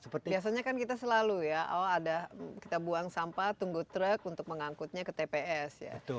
biasanya kan kita selalu ya kita buang sampah tunggu truk untuk mengangkutnya ke tps